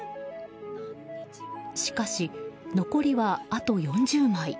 しかし、残りはあと４０枚。